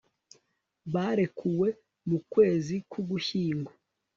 barekuwe mu kwezi k'ugushyingo